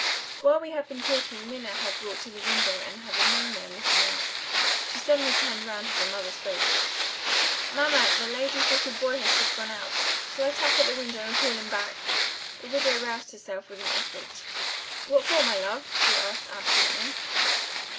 While we had been talking, Minna had walked to the window, and had remained there looking out. She suddenly turned round as her mother spoke. "Mamma! the landlady's little boy has just gone out. Shall I tap at the window and call him back?" The widow roused herself with an effort. "What for, my love?" she asked, absently.